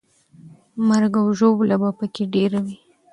مرګ او ژوبله به پکې ډېره وي.